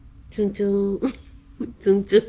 つんつん。